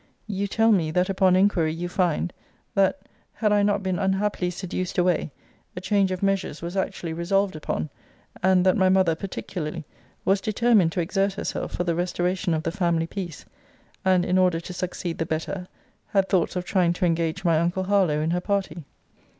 You tell me, that upon inquiry, you find,* that, had I not been unhappily seduced away, a change of measures was actually resolved upon; and that my mother, particularly, was determined to exert herself for the restoration of the family peace; and, in order to succeed the better, had thoughts of trying to engage my uncle Harlowe in her party.